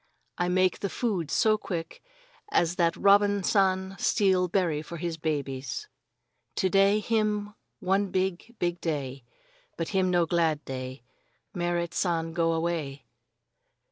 "I make the food so quick as that Robin San steal berry for his babies. To day him one big, big day, but him no glad day. Merrit San go away."